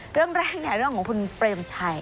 เรื่องแรกเรื่องของคุณเปรมชัย